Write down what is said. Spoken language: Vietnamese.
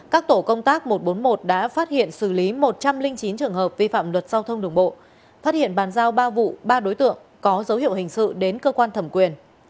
các tổ công tác một trăm bốn mươi một đã phát hiện xử lý một trăm linh chín trường hợp vi phạm luật giao thông đường bộ phát hiện bàn giao ba vụ ba đối tượng có dấu hiệu hình sự đến cơ quan thẩm quyền